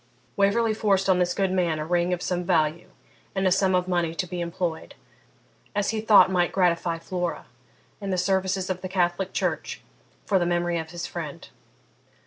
Waverley forced on this good man a ring of some value and a sum of money to be employed (as he thought might gratify Flora) in the services of the Catholic church for the memory of his friend.